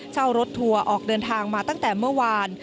รถทัวร์ออกเดินทางมาตั้งแต่เมื่อวาน